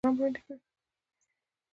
هغه هڅه وکړه چې د روحانیت پیغام وړاندې کړي.